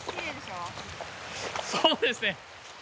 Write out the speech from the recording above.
そうですね。